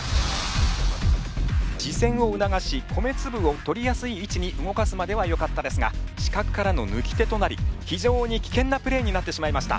視線を促し米つぶを取りやすい位置に動かすまではよかったですが死角からのぬき手となり非常に危険なプレーになってしまいました。